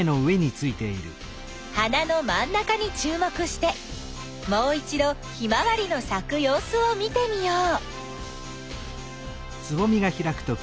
花の真ん中にちゅうもくしてもう一どヒマワリのさくようすを見てみよう。